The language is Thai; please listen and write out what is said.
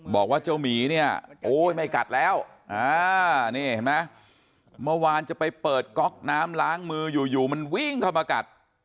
บอกว่าเจ้าหมีเนี่ยโอ้ยไม่กัดแล้วนี่เห็นไหมเมื่อวานจะไปเปิดก๊อกน้ำล้างมืออยู่มันวิ่งเข้ามากัด